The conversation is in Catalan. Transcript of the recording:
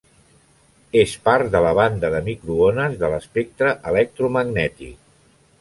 És part de la banda de microones de l'espectre electromagnètic.